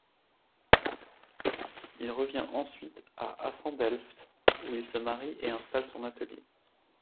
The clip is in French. Il revient ensuite à Assendelft où il se marie et installe son atelier.